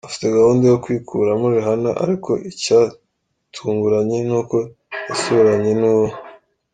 afite gahunda yo kwikuramo Rihanna ariko icyatunguranye ni uko yasubiranye nuwo.